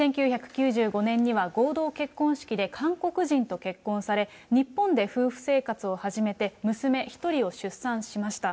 １９９５年には合同結婚式で韓国人と結婚され、日本で夫婦生活を始めて、娘１人を出産しました。